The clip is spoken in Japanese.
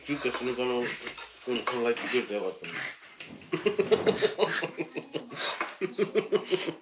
フフフフ。